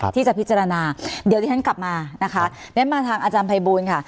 ที่จะพิจารณาเดี๋ยวที่ฉันกลับมานะคะงั้นมาทางอาจารย์ภัยบูลค่ะ